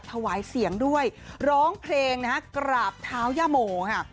ถวายเสียงด้วยร้องเพลงกราบเท้าหญ้าโหมค่ะ